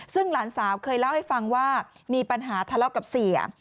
ซึ่งหลานสาวเคยเล่าให้ฟังว่ามีปัญหาทะเลาะกับเสีย